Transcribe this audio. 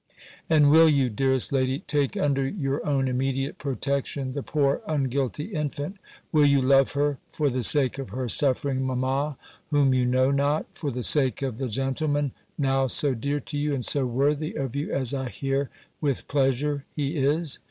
"And will you, dearest lady, take under your own immediate protection, the poor unguilty infant? will you love her, for the sake of her suffering mamma, whom you know not; for the sake of the gentleman, now so dear to you, and so worthy of you, as I hear, with pleasure, he is?